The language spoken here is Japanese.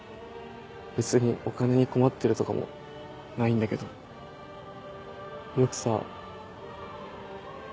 別にお金に困ってるとかもないんだけどよくさ。